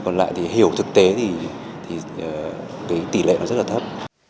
còn lại thì hiểu thực tế thì cái tỷ lệ nó rất là thấp